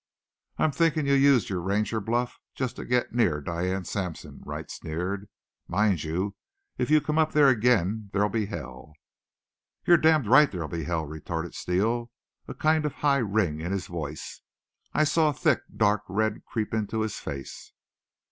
"I'm thinking you used your Ranger bluff just to get near Diane Sampson," Wright sneered. "Mind you, if you come up there again there'll be hell!" "You're damn right there'll be hell!" retorted Steele, a kind of high ring in his voice. I saw thick, dark red creep into his face.